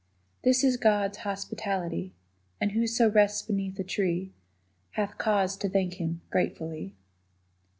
This is God's hospitality, And whoso rests beneath a tree Hath cause to thank Him gratefully.